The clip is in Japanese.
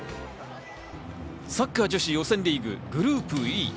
サッカー女子予選リーグ、グループＥ。